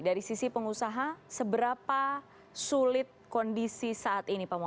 dari sisi pengusaha seberapa sulit kondisi saat ini pak moha